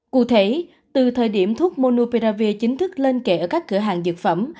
cụ thể từ thời điểm thuốc monupravi chính thức lên kệ ở các cửa hàng dược phẩm